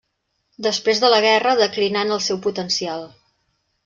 Després de la guerra declinà en el seu potencial.